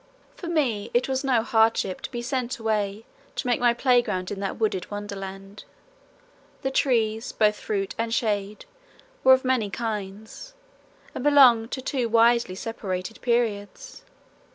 For me it was no hardship to be sent away to make my playground in that wooded wonderland. The trees, both fruit and shade, were of many kinds, and belonged to two widely separated periods.